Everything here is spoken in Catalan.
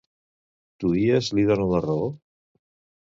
Tuies li dona la raó?